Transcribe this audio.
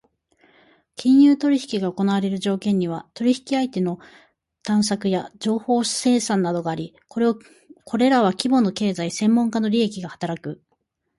金融取引が行われる条件には、取引相手の探索や情報生産などがあり、これらは規模の経済・専門家の利益が働く。